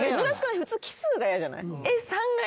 普通奇数が嫌じゃない？